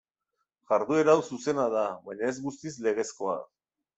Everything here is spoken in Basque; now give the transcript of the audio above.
Jarduera hau zuzena da, baina ez guztiz legezkoa.